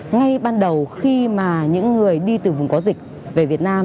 ngay ban đầu khi mà những người đi từ vùng có dịch về việt nam